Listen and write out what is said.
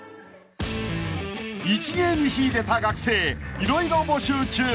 ［一芸に秀でた学生色々募集中］